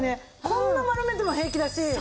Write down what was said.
こんな丸めても平気だし。